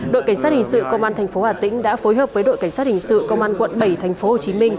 đội cảnh sát hình sự công an tp hà tĩnh đã phối hợp với đội cảnh sát hình sự công an quận bảy tp hcm